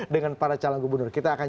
dengan para calon gubernur kita akan